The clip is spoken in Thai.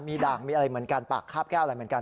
มีหรืออะไรเหมือนกันภาพแค้นอะไรเหมือนกัน